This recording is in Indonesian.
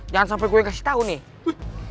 jangan sampai gue yang kasih tahu nih